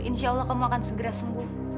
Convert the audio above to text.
insya allah kamu akan segera sembuh